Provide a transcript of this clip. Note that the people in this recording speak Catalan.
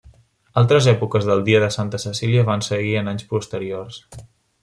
Altres èpoques del dia de Santa Cecília van seguir en anys posteriors.